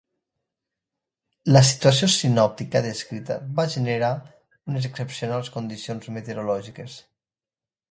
La situació sinòptica descrita va generar unes excepcionals condicions meteorològiques.